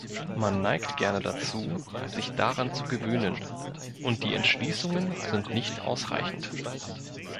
Man neigt gerne dazu, sich daran zu gewöhnen, und die Entschließungen sind nicht ausreichend.